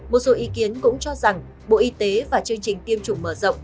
một số ý kiến cũng cho rằng bộ y tế và chương trình tiêm chủng mở rộng